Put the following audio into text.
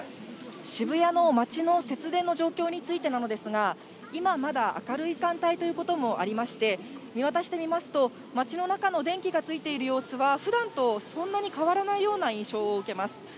渋谷の街の節電の状況についてなのですが、今まだ明るい時間帯ということもありまして、見渡してみますと、街の中の電気がついている様子は、ふだんとそんなに変わらないような印象を受けます。